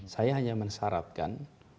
saya hanya mensyarapkan